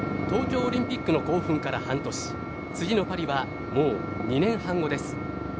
東京オリンピックの興奮から半年次のパリはもう２年半後です。